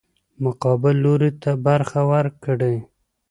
مقابل لوري ته برخه ورکړي.